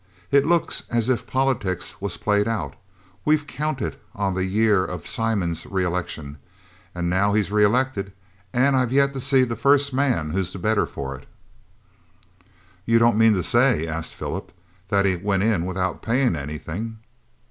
It looks as if politics was played out. We'd counted on the year of Simon's re election. And, now, he's reelected, and I've yet to see the first man who's the better for it." "You don't mean to say," asked Philip, "that he went in without paying anything?"